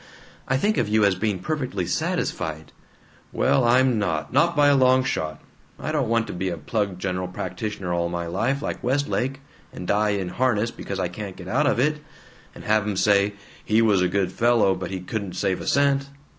I think of you as being perfectly satisfied." "Well, I'm not, not by a long shot! I don't want to be a plug general practitioner all my life, like Westlake, and die in harness because I can't get out of it, and have 'em say, 'He was a good fellow, but he couldn't save a cent.'